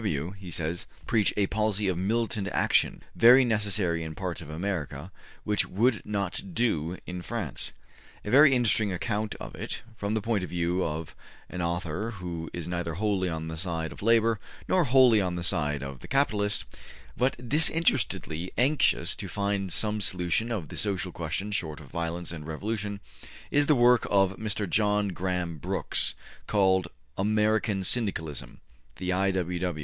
W. W.,'' he says, ``preach a policy of militant action, very necessary in parts of America, which would not do in France.'' A very interesting account of it, from the point of view of an author who is neither wholly on the side of labor nor wholly on the side of the capitalist, but disinterestedly anxious to find some solution of the social question short of violence and revolution, is the work of Mr. John Graham Brooks, called ``American Syndicalism: the I. W.